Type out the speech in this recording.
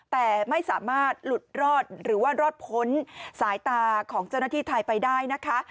แต่ไม่สามารถหลุดรอดหรือว่ารอดพ้นสายตาของเจ้าหน้าที่ไทยไปได้นะคะ